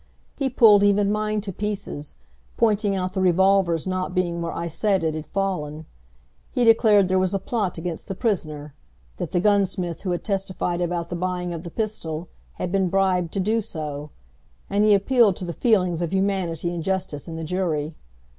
He pulled even mine to pieces, pointing out the revolver's not being where I said it had fallen. He declared there was a plot against the prisoner; that the gunsmith who had testified about the buying of the pistol had been bribed to do so; and he appealed to the feelings of humanity and justice in the jury.